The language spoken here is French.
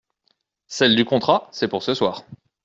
Celle du contrat… c’est pour ce soir.